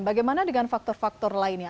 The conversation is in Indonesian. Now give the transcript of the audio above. bagaimana dengan faktor faktor lainnya